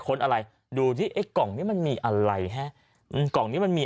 ค้นอะไรดูได้ไอ้กล่องนี่มันมีอะไรให้กล่องนี่มันมี